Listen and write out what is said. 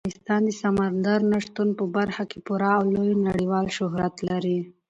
افغانستان د سمندر نه شتون په برخه کې پوره او لوی نړیوال شهرت لري.